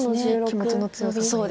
気持ちの強さというか。